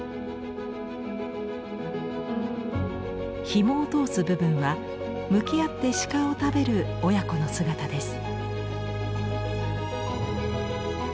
ひもを通す部分は向き合って鹿を食べる親子の姿です。